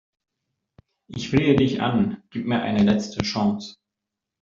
Ich flehe dich an, gib mir eine letzte Chance!